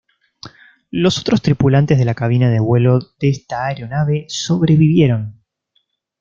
Los otros tripulantes de la cabina de vuelo de esta aeronave sobrevivieron.